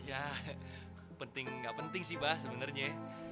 ya penting gak penting sih bah sebenernya